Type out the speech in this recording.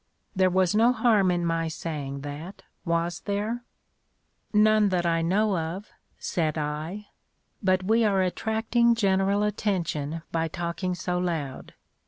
There was no harm in my saying that, was there?" "None that I know of," said I; "but we are attracting general attention by talking so loud.